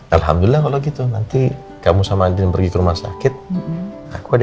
alhamdulillah kalau gitu nanti kamu sama andin pergi ke rumah sakit